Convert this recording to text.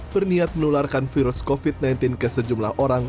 berniat menularkan virus covid sembilan belas ke sejumlah orang